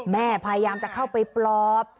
พยายามจะเข้าไปปลอบ